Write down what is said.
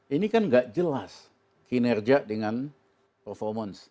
ini kan gak jelas kinerja dengan performance